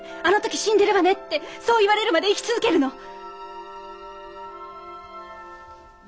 あの時死んでればねってそう言われるまで生き続けるの！